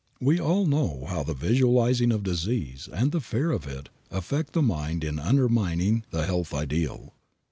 We all know how the visualizing of disease and the fear of it affect the mind in undermining the health ideal.